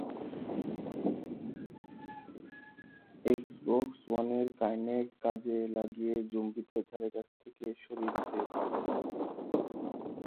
Xbox ওয়ানের Kinect কাজে লাগিয়ে জোম্বিদের ধারেকাছে থেকে সরিয়ে দিতে পারবেন।